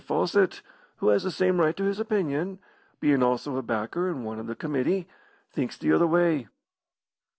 Fawcett, who has the same right to his opinion, bein' also a backer and one o' the committee, thinks the other way."